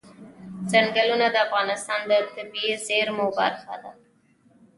ځنګلونه د افغانستان د طبیعي زیرمو برخه ده.